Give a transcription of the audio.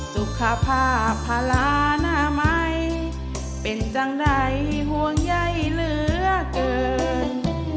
สุขภาพพลานะไหมเป็นจังใดห่วงใยเหลือเกิน